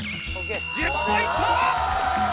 １０ポイント！